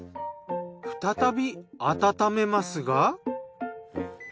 再び温めますが。